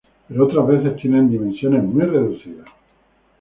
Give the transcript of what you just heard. Pero otras veces tienen dimensiones muy reducidas.